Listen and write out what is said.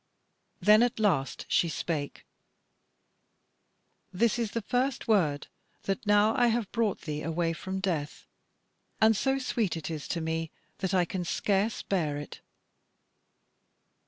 Then at last she spake: "This is the first word, that now I have brought thee away from death; and so sweet it is to me that I can scarce bear it."